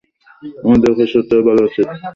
আমাদের ওকে সত্যিটা বলা উচিত।